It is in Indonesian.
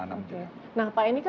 oke nah pak ini kan sasarannya pedesaan